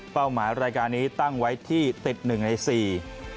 เป้าหมายรายการนี้ตั้งไว้ที่ติด๑ใน๔